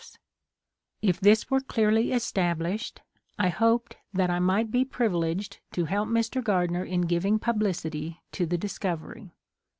If this 19 THE COMING OF THE FAIRIES were clearly established I hoped that I might he privileged to help Mr. Gardner in giving publicity to the discovery.